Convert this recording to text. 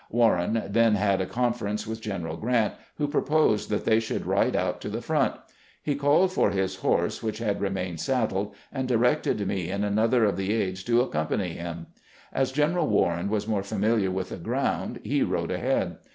Warren then had a conference with G eneral Grant, who proposed that they should ride out to the front. He called for his horse, which had remained saddled, and directed me and another of the aides to accompany him. As General "Warren was more familiar with the ground, he rode ahead.